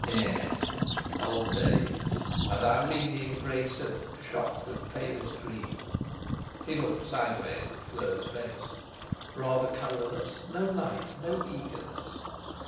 H'm! Old days, and Irene in grey silk shot with palest green. He looked, sideways, at Fleur's face. Rather colourless no light, no eagerness!